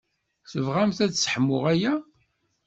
Tebɣamt ad sseḥmuɣ aya?